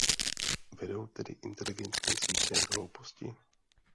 Vedou tedy inteligentní sítě k hlouposti?